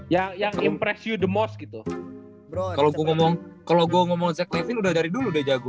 yang yang impresi the most gitu kalau ngomong kalau gue ngomong seksual dari dulu udah jago